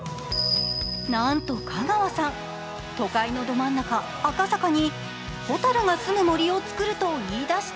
なんと香川さん、都会のど真ん中赤坂にホタルがすむ森を作ると言い出した。